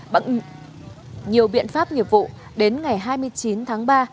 bằng nhiều biện pháp nghiệp vụ đến ngày hai mươi chín tháng ba